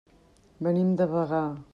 Venim de Bagà.